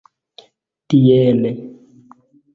tiele